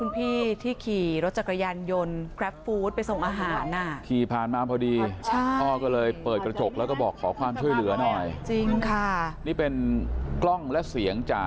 พี่พี่พี่ช่วยหน่อยพี่ลูกผมผมไม่ได้โอ๊ยไม่มีที่นั่งฮะ